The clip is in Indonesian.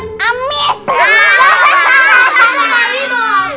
sama tadi mo